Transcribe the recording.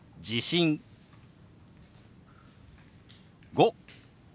「５」。